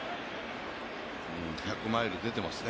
１００マイル出てますね。